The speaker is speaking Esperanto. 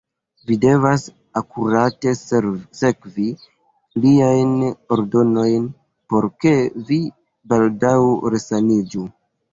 Vi devas akurate sekvi liajn ordonojn, por ke vi baldaŭ resaniĝu.